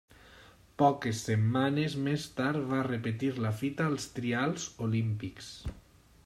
Poques setmanes més tard va repetir la fita als Trials Olímpics.